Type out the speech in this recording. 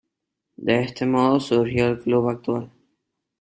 De este modo surgió el club actual.